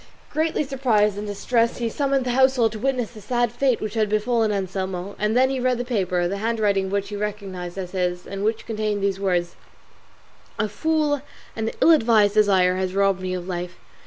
Greatly surprised and distressed he summoned the household to witness the sad fate which had befallen Anselmo; and then he read the paper, the handwriting of which he recognised as his, and which contained these words: "A foolish and ill advised desire has robbed me of life.